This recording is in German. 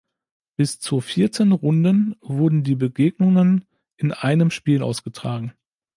Bis zur vierten Runden wurden die Begegnungen in einem Spiel ausgetragen.